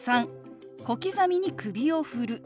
３小刻みに首を振る。